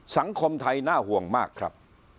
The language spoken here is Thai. สังคมไทยน่าห่วงมากครับ